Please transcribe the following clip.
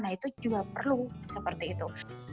nah itu juga perlu seperti itu